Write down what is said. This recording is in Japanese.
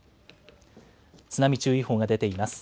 津波注意報が出ています。